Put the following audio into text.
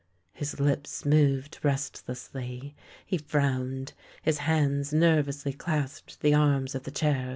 " His lips moved restlessly; he frowned; his hands nervously clasped the arms of the chair.